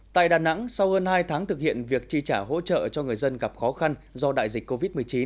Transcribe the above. tại đà nẵng sau hơn hai tháng thực hiện việc tri trả hỗ trợ cho người dân gặp khó khăn do đại dịch covid một mươi chín